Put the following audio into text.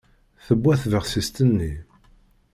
Tewwa tbexsist-nni.